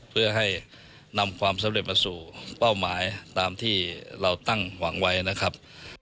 เพื่อให้นำความสำเร็จมาสู่เป้าหมายตามที่เราตั้งหวังไว้นะครับ